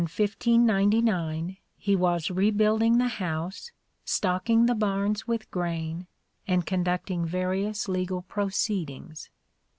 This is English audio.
" Between 1597 and 1599 (he was) rebuilding the house, stocking the barns with grain, and conducting various legal proceedings."